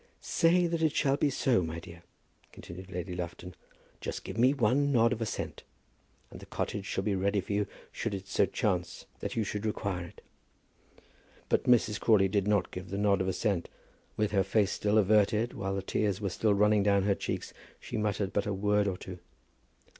"Say that it shall be so, my dear," continued Lady Lufton. "Just give me one nod of assent, and the cottage shall be ready for you should it so chance that you should require it." But Mrs. Crawley did not give the nod of assent. With her face still averted, while the tears were still running down her cheeks, she muttered but a word or two.